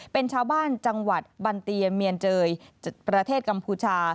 เป็นชาวบ้านจังหวัดบันเตียเมียนเจยประเทศกัมพูชา